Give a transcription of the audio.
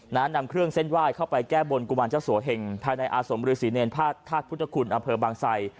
นำเครื่องเส้นไหว้เข้าไปแก้บนกุมารเจ้าสัวเหงภายในอาสมฤษีเนรภาคธาตุพุทธคุณอำเภอบางไซ